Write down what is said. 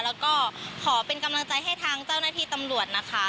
แล้วก็ขอเป็นกำลังใจให้ทางเจ้าหน้าที่ตำรวจนะคะ